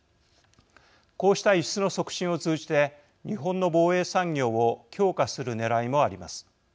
こうした輸出の促進を通じて日本の防衛産業を強化するねらいもあります。